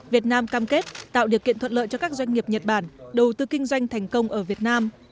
việt nam cam kết tạo điều kiện thuận lợi cho các doanh nghiệp nhật bản đầu tư kinh doanh thành công ở việt nam